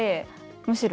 むしろ。